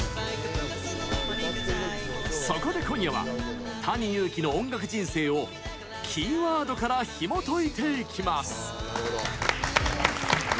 そこで今夜はＴａｎｉＹｕｕｋｉの音楽人生をキーワードからひもといていきます！